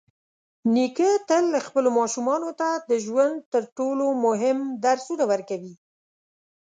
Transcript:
نیکه تل خپلو ماشومانو ته د ژوند تر ټولو مهم درسونه ورکوي.